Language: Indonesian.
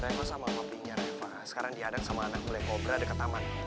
reva sama papi nya reva sekarang di adang sama anak black cobra deket taman